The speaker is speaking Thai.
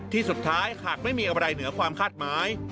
สุดท้ายหากไม่มีอะไรเหนือความคาดหมาย